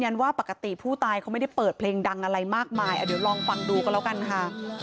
มากมายอ่ะเดี๋ยวลองฟังดูกันแล้วกันค่ะ